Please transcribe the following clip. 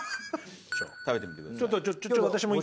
食べてみてください。